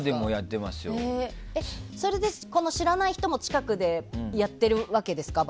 それで、知らない人もバスケを近くでやってるわけですか？